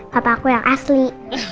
papa aku yang asli